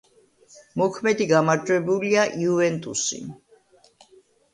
მოქმედი გამარჯვებულია „იუვენტუსი“.